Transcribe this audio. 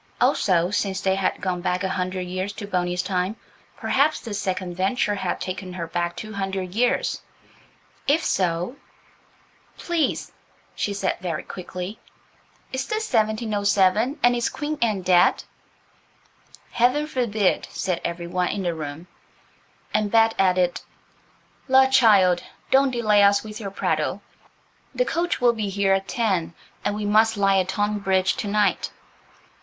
Also, since they had gone back a hundred years to Boney's time, perhaps this second venture had taken her back two hundred years. If so– "Please," she said, very quickly, "is this 1707 and is Queen Anne dead?" "Heaven forbid," said every one in the room; and Bet added, "La, child, don't delay us with your prattle. The coach will be here at ten, and we must lie at Tonbridge to night."